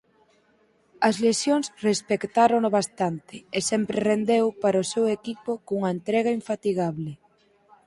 As lesións respectárono bastante e sempre rendeu para o seu equipo cunha entrega infatigable.